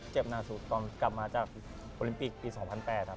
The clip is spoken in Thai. หน้าสุดตอนกลับมาจากโอลิมปิกปี๒๐๐๘ครับ